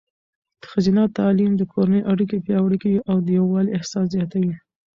ښځینه تعلیم د کورنۍ اړیکې پیاوړې کوي او د یووالي احساس زیاتوي.